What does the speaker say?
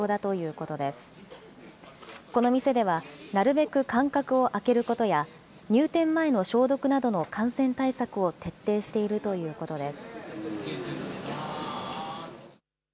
この店では、なるべく間隔を空けることや、入店前の消毒などの感染対策を徹底しているということです。